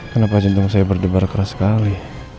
kenapa jantung saya berdebar keras sekali